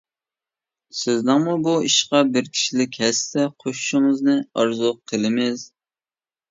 سىزنىڭمۇ بۇ ئىشقا بىر كىشىلىك ھەسسە قوشۇشىڭىزنى ئارزۇ قىلىمىز.